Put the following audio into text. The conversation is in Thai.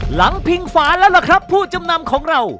พิงฝาแล้วล่ะครับผู้จำนำของเรา